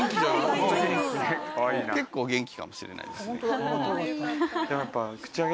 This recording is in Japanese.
結構元気かもしれないですね。